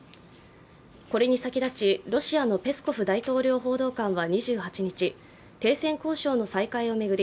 これに先立ちロシアのペスコフ大統領報道官は２８日、停戦交渉の再開を巡り